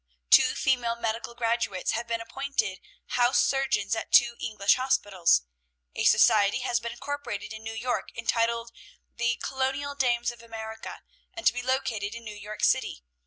"Two female medical graduates have been appointed house surgeons at two English hospitals. A society has been incorporated in New York entitled the 'Colonial Dames of America,' and to be located in New York City.